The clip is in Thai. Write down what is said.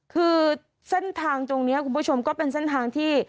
คือเส้นทางตรงนี้คุณผู้ชมก็เป็นเส้นทางที่